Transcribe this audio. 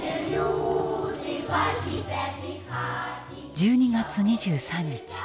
１２月２３日。